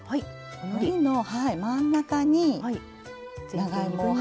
のりの真ん中に長芋を。